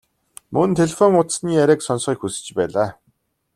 Мөн телефон утасны яриаг сонсохыг хүсэж байлаа.